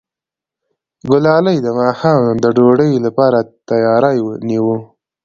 ګلالۍ د ماښام د ډوډۍ لپاره تیاری نیوه.